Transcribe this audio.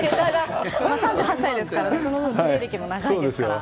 ３８歳ですからその分プレー歴も長いですから。